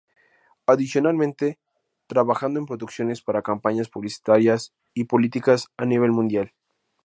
Adicionalmente, trabajando en producciones para campañas publicitarias y políticas a nivel mundial.